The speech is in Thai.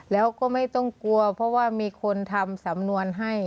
แล้วก็ไม่ต้องกลัวเพราะว่ามีคนทำสำนวนให้